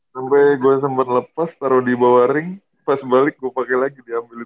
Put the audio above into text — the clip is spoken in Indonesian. sampai gue sempet lepas taro dibawah ring pas balik gue pake lagi diambil itu